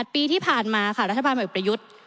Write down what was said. ปีที่ผ่านมาค่ะรัฐบาลใหม่ประยุทธ์